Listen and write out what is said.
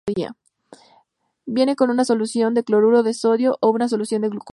Viene con una solución de cloruro de sodio o una solución de glucosa.